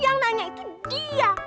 yang nanya itu dia